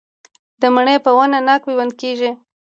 د مڼې په ونه ناک پیوند کیږي؟